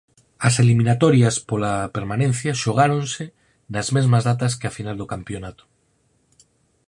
As eliminatorias pola permanencia xogáronse nas mesmas datas que a final do campionato.